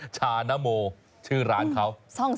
ชานโมชื่อร้านเขา